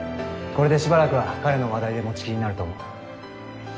これでしばらくは彼の話題で持ちきりになると思う。